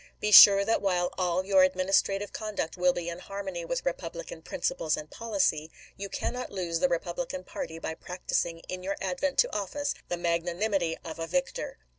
Be sure that while all your administrative conduct will be in harmony with Repub lican principles and policy, you cannot lose the Repub lican party by practicing in your advent to office the magnanimity of a victor.